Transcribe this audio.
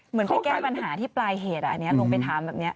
เหมือนเขาก็ไปแก้ปัญหาที่ปลายเหตุลงเป็นฐามแบบนี้